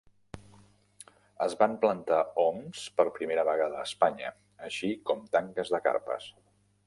Es van plantar oms per primera vegada a Espanya, així com tanques de carpes.